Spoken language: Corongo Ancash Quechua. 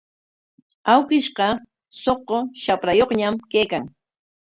Awkishqa suqu shaprayuqñam kaykan.